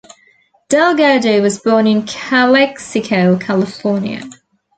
Delgado was born in Calexico, California.